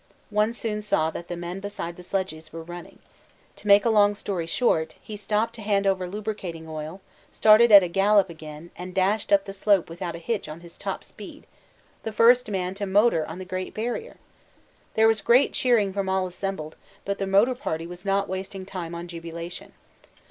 One soon saw that the men beside the sledges were running. To make a long story short, he stopped to hand over lubricating oil, started at a gallop again, and dashed up the slope without a hitch on his top speed the first man to run a motor on the Great Barrier! There was great cheering from all assembled, but the motor party was not wasting time on jubilation.